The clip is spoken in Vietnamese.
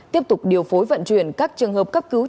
tiếp tục điều phối vận chuyển các trường hợp cấp cứu